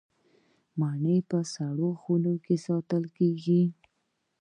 مڼې په سړو خونو کې ساتل کیږي.